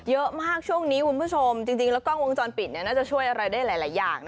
เยอะมากช่วงนี้คุณผู้ชมจริงแล้วกล้องวงจรปิดน่าจะช่วยอะไรได้หลายอย่าง